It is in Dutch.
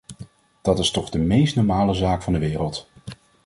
Dat is toch de meest normale zaak van de wereld.